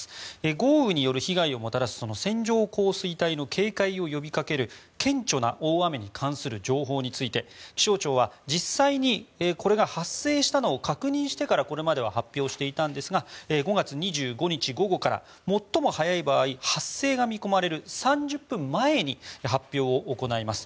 豪雨による被害をもたらす線状降水帯の警戒を呼びかける顕著な大雨に関する情報について気象庁は実際にこれが発生したのを確認してからこれまでは発表していたんですが５月２５日午後から最も早い場合発生が見込まれる３０分前に発表を行います。